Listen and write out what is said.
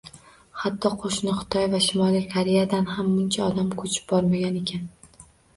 Hatto qo‘shni Xitoy va Shimoliy Koreyadan ham buncha odam ko‘chib bormagan ekan.